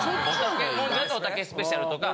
もうずっとおたけスペシャルとか。